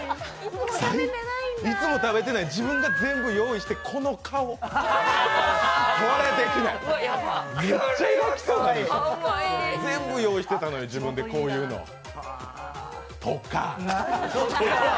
いつも食べてない、自分が全部用意して、この顔！全部用意してたのに、自分でこういうの、とか！